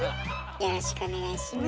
よろしくお願いします。